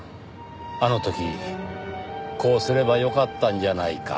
あの時こうすればよかったんじゃないか。